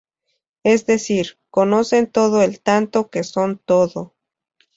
Es decir, conocen todo en tanto que son todo.